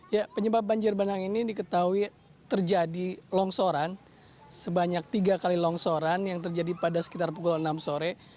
ya penyebab banjir bandang ini diketahui terjadi longsoran sebanyak tiga kali longsoran yang terjadi pada sekitar pukul enam sore